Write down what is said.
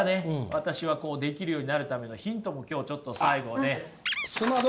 私はできるようになるためのヒントも今日ちょっと最後ね。